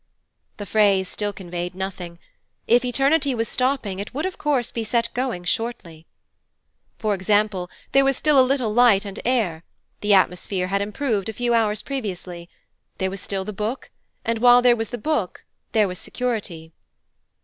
The phrase still conveyed nothing. If Eternity was stopping it would of course be set going shortly. For example, there was still a little light and air the atmosphere had improved a few hours previously. There was still the Book, and while there was the Book there was security.